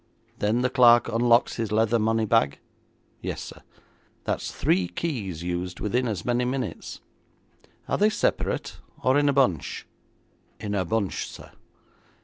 'Then the clerk unlocks his leather money bag?' 'Yes, sir.' 'That's three keys used within as many minutes. Are they separate or in a bunch?' 'In a bunch, sir.'